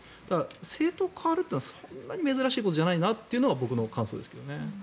政党変わるというのはそんなに珍しいことじゃないなというのが僕の感想ですけどね。